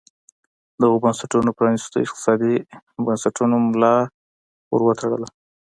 دغو بنسټونو پرانیستو اقتصادي بنسټونو ملا ور وتړله.